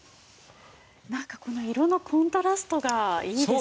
なんかこの色のコントラストがいいですね先生。